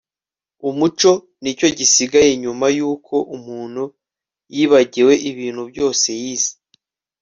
Umuco nicyo gisigaye nyuma yuko umuntu yibagiwe ibintu byose yize